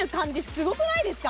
すごくないですか？